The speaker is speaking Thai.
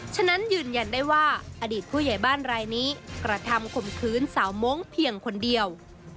ฉะนั้นยืนยันได้ว่าอดีตผู้ใหญ่บ้านรายนี้กระทำข่มขืนสาวมงค์เพียงคนเดียว